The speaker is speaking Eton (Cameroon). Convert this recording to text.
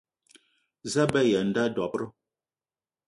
Za a be aya a nda dob-ro?